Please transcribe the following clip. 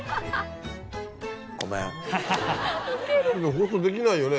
放送できないよね